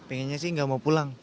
pengennya sih nggak mau pulang